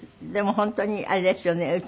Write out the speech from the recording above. でも本当にあれですよね。